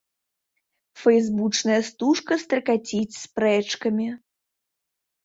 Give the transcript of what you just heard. Фэйсбучная стужка стракаціць спрэчкамі.